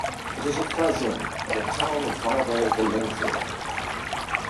It is a "frazione" of the town of Vibo Valentia.